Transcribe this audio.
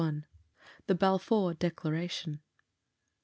THE BALFOUR DECLARATION.